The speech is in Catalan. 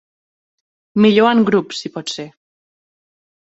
Millor en grup, si pot ser.